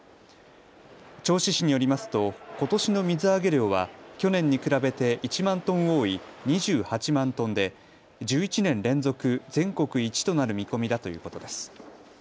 銚子市によりますとことしの水揚げ量は去年に比べて１万トン多い２８万トンで１１年連続全国一となる見込みだということです。